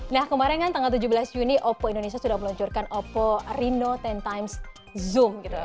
nah kemarin kan tanggal tujuh belas juni oppo indonesia sudah meluncurkan oppo reno sepuluh times zoom gitu